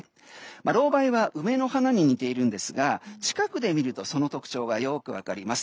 ロウバイは梅の花に似ているんですが近くで見ると、その特徴がよく分かります。